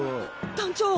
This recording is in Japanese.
団長